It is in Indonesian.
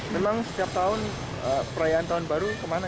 memang setiap tahun perayaan tahun baru kemana